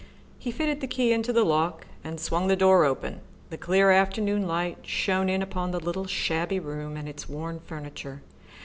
He fitted the key into the lock and swung the door open. The clear afternoon light shone in upon the little shabby room and its worn furniture.